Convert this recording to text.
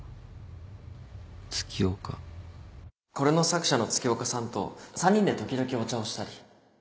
これの作者の月岡さんと３人で時々お茶をしたり